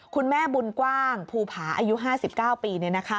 คุณแม่บุญกว้างภูผาอายุ๕๙ปี